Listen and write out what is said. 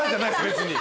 別に。